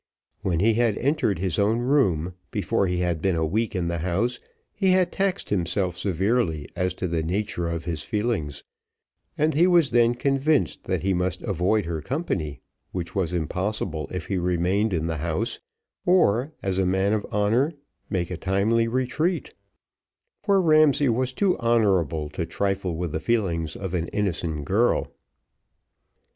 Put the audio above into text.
When he had entered his own room, before he had been a week in the house, he had taxed himself severely as to the nature of his feelings, and he was then convinced that he must avoid her company, which was impossible if he remained in the house, or, as a man of honour, make a timely retreat; for Ramsay was too honourable to trifle with the feelings of an innocent girl.